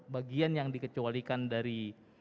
bagian yang dikecualikan dari